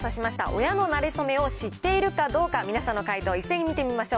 親のなれ初めを知っているかどうか、皆さんの解答、一斉に見てみましょう。